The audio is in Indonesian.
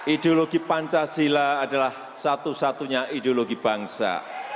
ideologi pancasila adalah satu satunya ideologi bangsa